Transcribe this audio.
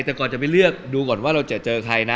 แต่ก่อนจะไปเลือกดูก่อนว่าเราจะเจอใครนะ